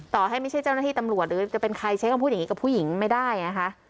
ต่อให้ไม่ใช่เจ้าหน้าที่ตำรวจหรือจะเป็นใครใช้คำพูดอย่างนี้กับผู้หญิงไม่ได้นะคะ